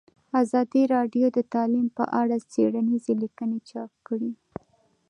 ازادي راډیو د تعلیم په اړه څېړنیزې لیکنې چاپ کړي.